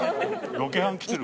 ロケハン来てるから。